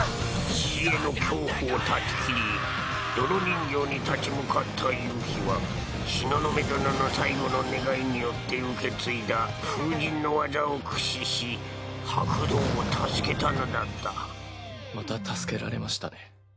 死への恐怖を断ち切り泥人形に立ち向かった夕日は東雲殿の最後の願いによって受け継いだ風神の技を駆使し白道を助けたのだったまた助けられましたね。